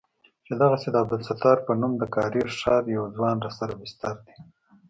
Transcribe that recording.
چې دغسې د عبدالستار په نوم د کارېز ښار يو ځوان راسره بستر دى.